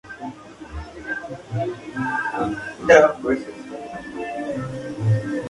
Se casó con su jefe, viajó ampliamente por España, Grecia y el Mediterráneo.